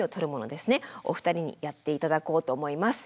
お二人にやって頂こうと思います。